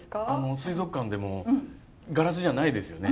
水族館でもうガラスじゃないですよね。